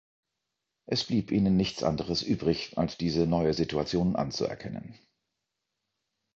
Es blieb ihnen nichts anderes übrig, als diese neue Situation anzuerkennen.